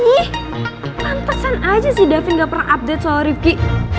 ih pantesan aja sih davin ngga pernah update soal ruki